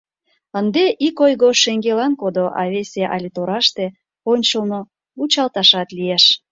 Ынде ик ойго шеҥгелан кодо, а весе але тораште, ончылно, вучалташат лиеш.